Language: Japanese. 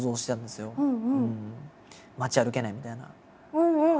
うんうん！